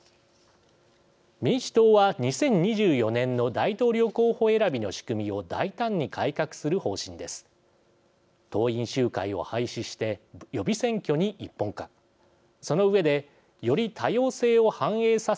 民主党は、２０２４年の大統領候補選びの仕組みを大胆に改革する方針です。